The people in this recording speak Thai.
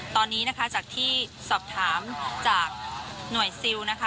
ตอนนี้นะคะจากที่สอบถามจากหน่วยซิลนะคะ